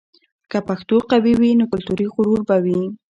که پښتو قوي وي، نو کلتوري غرور به وي.